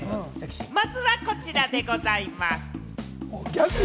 まずは、こちらでございます。